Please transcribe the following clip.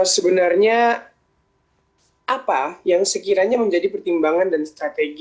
sebenarnya apa yang sekiranya menjadi pertimbangan dan strategi